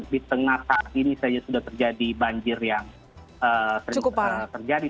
di tengah saat ini saja sudah terjadi banjir yang sering terjadi